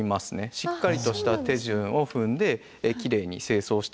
しっかりとした手順を踏んできれいに清掃しておくことで戻っていきます。